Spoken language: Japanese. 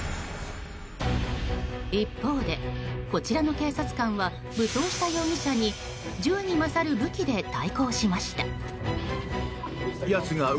一方で、こちらの警察官は武装した容疑者に銃に勝る武器で対抗しました。